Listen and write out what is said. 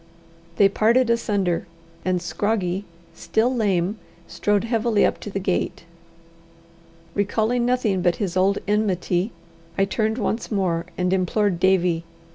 They parted asunder, and Scroggie, still lame, strode heavily up to the gate. Recalling nothing but his old enmity, I turned once more and implored Davie.